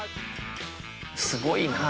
すごいな。